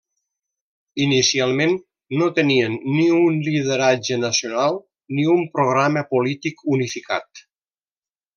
Inicialment, no tenien ni un lideratge nacional ni un programa polític unificat.